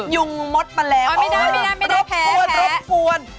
ยุงมดแปลงรบปวน